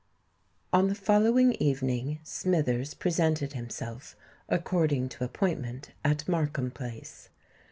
On the following evening Smithers presented himself, according to appointment, at Markham Place.